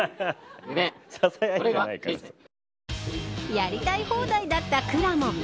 やりたい放題だったくらもん。